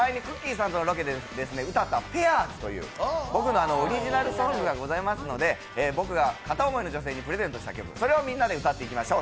さんとペアで歌った、「ペアーズ」という僕のオリジナルソングがありますので僕の片思いの女性にプレゼントした曲それをみんなで歌っていきましょう。